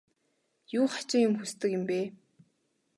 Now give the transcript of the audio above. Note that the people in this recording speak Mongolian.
Юун хачин юм хүсдэг юм бэ?